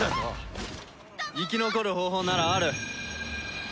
生き残る方法ならある。